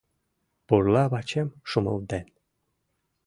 Пурла вачем шумылден.